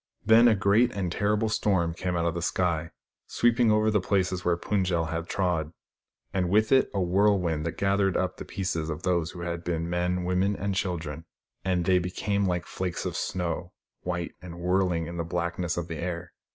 Then a great and terrible storm came out of the sky, sweeping over the places where Pund jel had trod ; and with it a whirlwind, that gathered up the pieces of those who had been men, women and children, and they became like flakes of snow, white and whirlmg in the blackness of the air.